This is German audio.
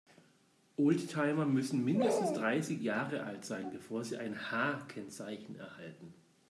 Oldtimer müssen mindestens dreißig Jahre alt sein, bevor sie ein H-Kennzeichen erhalten.